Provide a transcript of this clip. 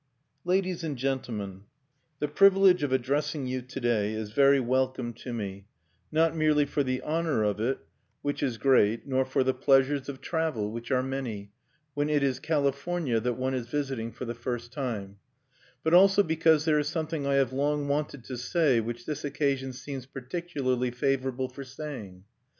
LADIES AND GENTLEMEN, The privilege of addressing you to day is very welcome to me, not merely for the honour of it, which is great, nor for the pleasures of travel, which are many, when it is California that one is visiting for the first time, but also because there is something I have long wanted to say which this occasion seems particularly favourable for saying.